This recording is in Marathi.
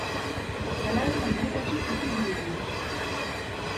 त्याला एक अमृताची कुपी दिली गेली.